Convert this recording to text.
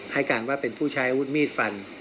ให้การว่าเป็นผู้ใช้อาวุธมีดฟัน